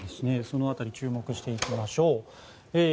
その辺り注目していきましょう。